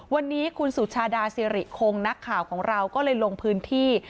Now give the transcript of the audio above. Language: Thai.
วันนี้คุณสุชาดาสิริคงนักข่าวของเราก็เลยลงพื้นที่